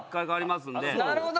なるほど。